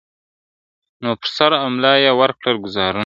نو پر سر او ملا یې ورکړل ګوزارونه ..